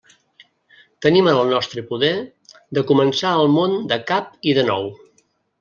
Tenim en el nostre poder de començar el món de cap i de nou.